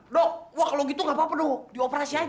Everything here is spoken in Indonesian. dok wah kalau gitu gak apa apa dok di operasi aja